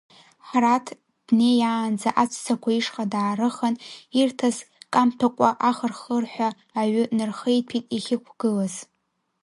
Храҭ днеиаанӡа аҵәцақәа ишҟа даарыхан, ирҭаз камҭәакәа, ахырхырҳәа аҩы нархеиҭәеит иахьықәгылаз.